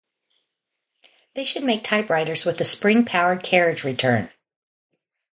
They should make typewriters with a spring-powered carriage return.